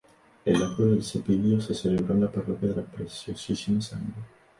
El acto del sepelio se celebró en la parroquia de la Preciosísima Sangre.